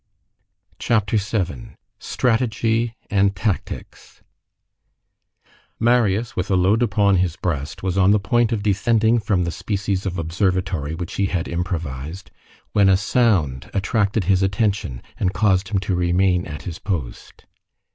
CHAPTER VII—STRATEGY AND TACTICS Marius, with a load upon his breast, was on the point of descending from the species of observatory which he had improvised, when a sound attracted his attention and caused him to remain at his post.